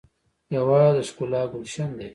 هېواد د ښکلا ګلشن دی.